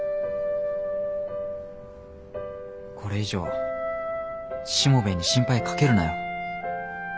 これ以上しもべえに心配かけるなよ。